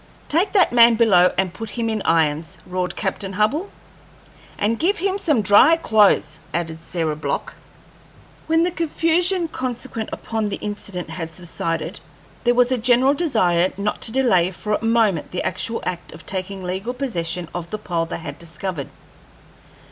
"Take that man below and put him in irons!" roared Captain Hubbell. "And give him some dry clothes," added Sarah Block. When the confusion consequent upon the incident had subsided there was a general desire not to delay for a moment the actual act of taking legal possession of the pole they had discovered.